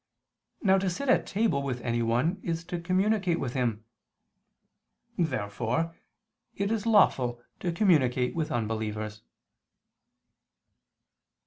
Now to sit at table with anyone is to communicate with him. Therefore it is lawful to communicate with unbelievers.